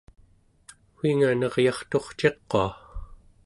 wiinga neryarturciqua